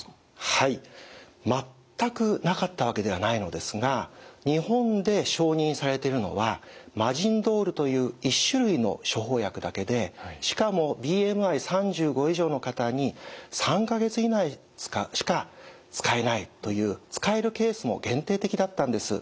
はい全くなかったわけではないのですが日本で承認されているのはマジンドールという１種類の処方薬だけでしかもＢＭＩ３５以上の方に３か月以内しか使えないという使えるケースも限定的だったんです。